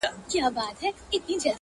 دبل په خوښه چي راځي دبل په خوښه درومي